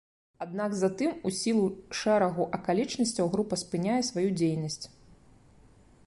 Аднак затым у сілу шэрагу акалічнасцяў група спыняе сваю дзейнасць.